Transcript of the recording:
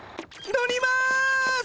乗ります！